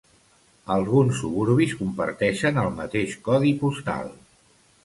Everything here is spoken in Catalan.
Alguns suburbis comparteixen el mateix codi postal.